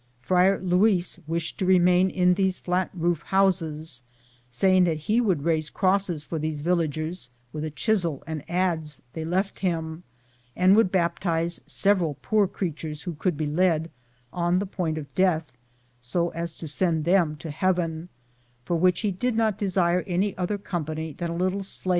Friar Luis wished to remain in these flat roof houses, saying that he would raise crosses for those vil lagers with a chisel and adze they left him, and would baptize several poor creatures who could be led, on the point of death, so as to send them to heaven, for which he did not desire any other company than a little slave